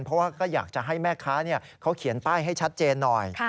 เพราะว่าก็อยากจะให้แม่ค้าเขาเขียนป้ายให้ชัดเจนหน่อย